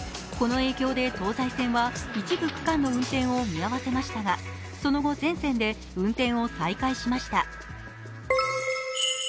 この影響で東西線は一部区間の運転を見合わせましたが、その後、全線で運転を再開しました。